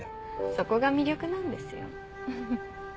そこが魅力なんですよウフフ。